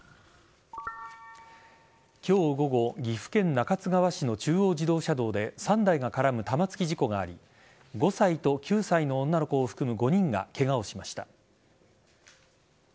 今日午後岐阜県中津川市の中央自動車道で３台が絡む玉突き事故があり５歳と９歳の女の子を含む５人がケガをしました。